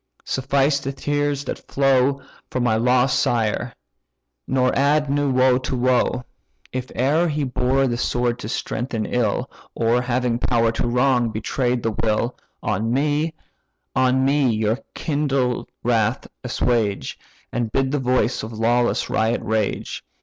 suffice the tears that flow For my lost sire, nor add new woe to woe. If e'er he bore the sword to strengthen ill, Or, having power to wrong, betray'd the will, On me, on me your kindled wrath assuage, And bid the voice of lawless riot rage.